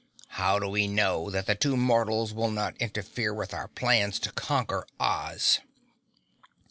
"How do we know that the two mortals will not interfere with our plans to conquer Oz?"